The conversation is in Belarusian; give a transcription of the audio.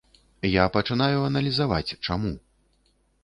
Я пачынаю аналізаваць, чаму.